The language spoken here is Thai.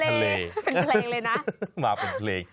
เป็นเพลงเลยน่ะมาเป็นเพลง